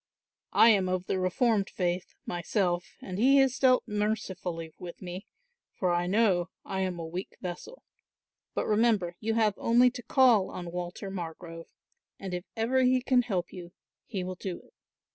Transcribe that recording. I am of the reformed faith myself and He has dealt mercifully with me; for I know I am a weak vessel. But remember you have only to call on Walter Margrove and if ever he can help you he will do it."